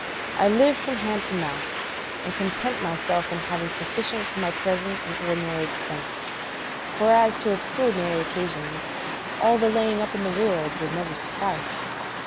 I live from hand to mouth, and content myself in having sufficient for my present and ordinary expense; for as to extraordinary occasions, all the laying up in the world would never suffice.